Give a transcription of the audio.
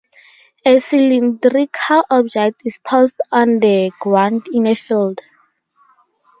A cylindrical object is tossed on the ground in a field.